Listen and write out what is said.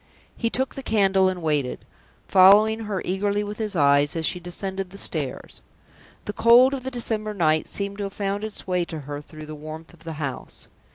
He took the candle and waited, following her eagerly with his eyes as she descended the stairs. The cold of the December night seemed to have found its way to her through the warmth of the house.